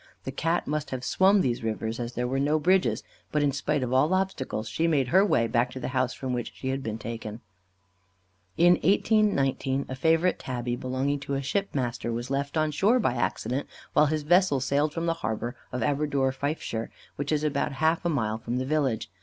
The Cat must have swum these rivers, as there were no bridges; but in spite of all obstacles, she made her way back to the house from which she had been taken. In 1819 a favourite Tabby belonging to a shipmaster was left on shore, by accident, while his vessel sailed from the harbour of Aberdour, Fifeshire, which is about half a mile from the village.